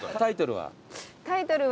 タイトルは？